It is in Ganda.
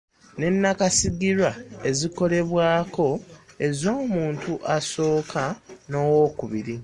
Ne nnakasigirwa ezikolebwako ez’omuntu asooka n’ow’okubiri.